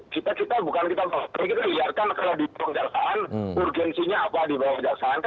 kita kita bukan kita kita kita diiarkan kalau di bawah kejaksaan urgensinya apa di bawah kejaksaan kan gitu